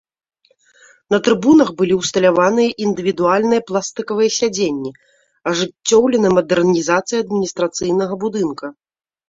На трыбунах былі ўсталяваныя індывідуальныя пластыкавыя сядзенні, ажыццёўлена мадэрнізацыя адміністрацыйнага будынка.